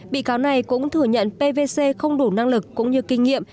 bị cáo này cũng thừa nhận pvc không đủ năng lực cũng như kinh nghiệm